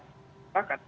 ini sebenarnya peradilan